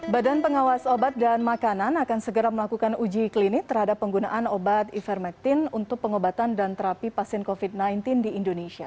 badan pengawas obat dan makanan akan segera melakukan uji klinik terhadap penggunaan obat ivermectin untuk pengobatan dan terapi pasien covid sembilan belas di indonesia